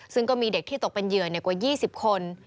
ซึ่งก็มีเด็กที่ตกเป็นเหยื่อกว่า๒๐คน